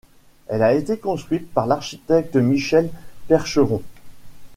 Elle a été construite par l'architecte Michel Percheron.